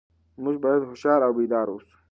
موږ باید هوښیار او بیدار اوسو.